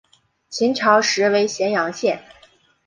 秦朝时为咸阳县。